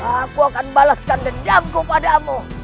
aku akan balaskan gendamku pada kamu